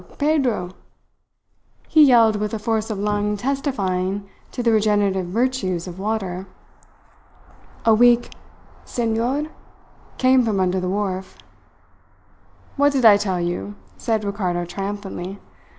Pedro!" he yelled, with a force of lung testifying to the regenerative virtues of water. A weak "Senor?" came from under the wharf. "What did I tell you?" said Ricardo triumphantly.